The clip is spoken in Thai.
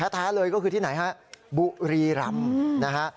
แท้เลยก็คือที่ไหนฮะบุรีรำนะฮะ